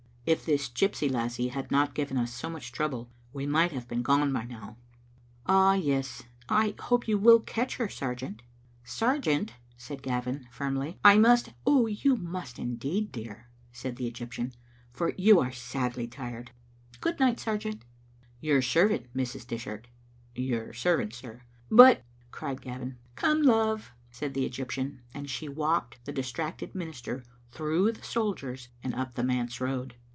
If this gypsy lassie had not given us so much trouble, we might have been gone by now." "Ah, yes, I hope you will catch her, sergeant" Digitized by VjOOQ IC BuAacitiS of tbe tROomait 7S * Sergeant," said Gavin, firmly, "I must " "You must, indeed, dear," said the Egyptian, "for yoti are sadly tired. Good night, sergeant." "Your servant, Mrs. Dishart. Your servant, sir." « But ^," cried Gavin. "Come, love," said the Egyptian, and she walked the distracted minister through the soldiers and up the manse road.